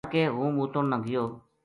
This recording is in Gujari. راہ ما دھر کے ہوں موتن نا گیو